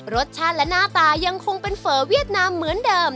รสชาติและหน้าตายังคงเป็นเฝอเวียดนามเหมือนเดิม